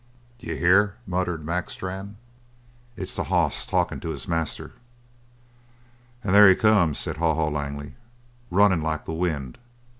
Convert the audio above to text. "D'ye hear?" muttered Mac Strann. "It's the hoss talkin' to his master!" "And there he comes!" said Haw Haw Langley. "Runnin' like the wind!"